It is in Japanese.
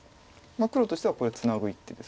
黒としてはこれツナぐ一手です。